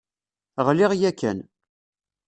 Ɣliɣ yakan.